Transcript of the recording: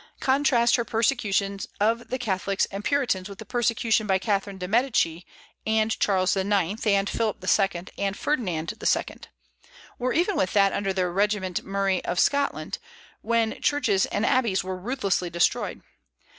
Contrast her persecutions of Catholics and Puritans with the persecution by Catherine de Médicis and Charles IX. and Philip II. and Ferdinand II.; or even with that under the Regent Murray of Scotland, when churches and abbeys were ruthlessly destroyed.